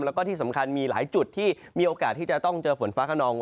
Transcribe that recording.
แล้วก็ที่สำคัญมีหลายจุดที่มีโอกาสที่จะต้องเจอฝนฟ้าขนอง